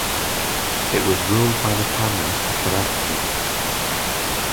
It was ruled by the family Tachiratsi.